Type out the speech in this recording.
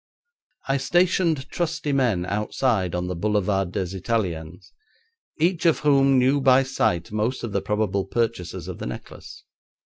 I stationed trusty men outside on the Boulevard des Italiens, each of whom knew by sight most of the probable purchasers of the necklace.